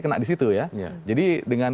kena di situ ya jadi dengan